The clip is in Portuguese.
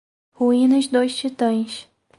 Ruína dos titãs